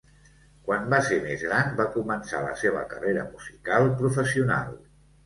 Quan va ser més gran va començar la seva carrera musical professional.